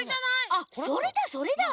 あそれだそれだ！